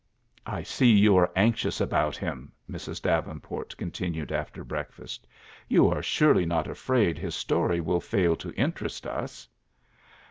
"I see you are anxious about him," Mrs. Davenport continued after breakfast. "You are surely not afraid his story will fail to interest us?"